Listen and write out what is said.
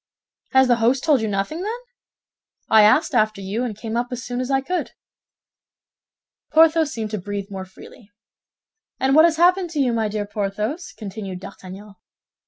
"Has the host told you nothing, then?" "I asked after you, and came up as soon as I could." Porthos seemed to breathe more freely. "And what has happened to you, my dear Porthos?" continued D'Artagnan.